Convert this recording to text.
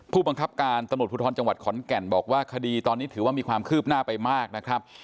ผู้บังคับการตำรวจภูทรจังหวัดขอนแก่นบอกว่าคดีตอนนี้ถือว่ามีความคืบหน้าไปมากนะครับ